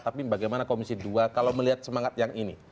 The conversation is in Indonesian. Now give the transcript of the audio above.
tapi bagaimana komisi dua kalau melihat semangat yang ini